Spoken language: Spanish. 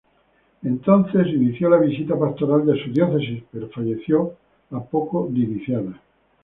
Entonces inició la visita pastoral de su diócesis, pero falleció a poco de iniciada.